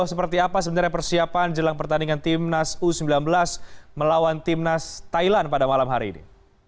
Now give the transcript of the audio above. seperti apa sebenarnya persiapan jelang pertandingan timnas u sembilan belas melawan timnas thailand pada malam hari ini